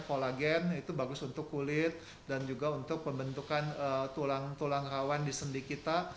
kolagen itu bagus untuk kulit dan juga untuk pembentukan tulang tulang hewan di sendi kita